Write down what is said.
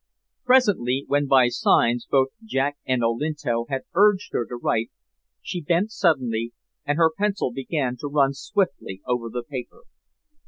Presently, when by signs both Jack and Olinto had urged her to write, she bent suddenly, and her pencil began to run swiftly over the paper.